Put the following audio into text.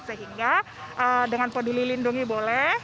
sehingga dengan peduli lindungi boleh